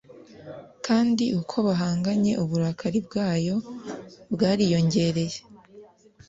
Kandi uko bahanganye uburakari bwayo bwariyongereye